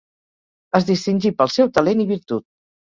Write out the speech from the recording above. Es distingí pel seu talent i virtut.